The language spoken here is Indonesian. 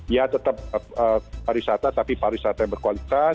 ya tetap para wisata tapi para wisata yang berkualitas